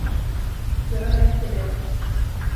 Du har rätt i det.